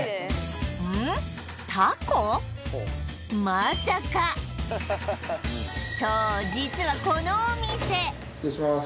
まさかそう実はこのお店失礼します